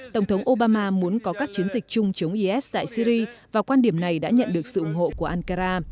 tổng thống obama muốn có các chiến dịch chung chống is tại syri và quan điểm này đã nhận được sự ủng hộ của ankara